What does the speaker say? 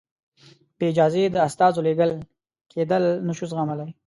بې اجازې د استازو لېږل کېدل نه شو زغملای.